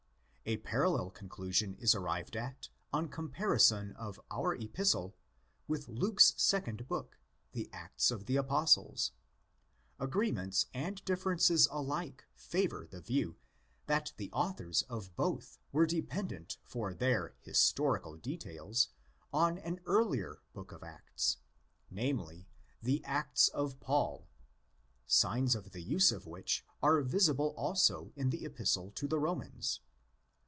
A parallel conclusion is arrived at on comparison of our Epistle with Luke's second book, the Acts of the Apostles. Agreements and differences alike favour the view that the authors of both were dependent for their ''historical'' details on an earlier book of Acts— namely, the Acts of Paul, signs of the use of which are visible also in the Epistle to the Romans.